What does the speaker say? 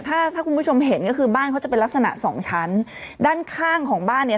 ถ้าถ้าคุณผู้ชมเห็นก็คือบ้านเขาจะเป็นลักษณะสองชั้นด้านข้างของบ้านเนี้ย